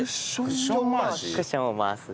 クッションを回す。